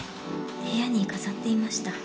部屋に飾っていました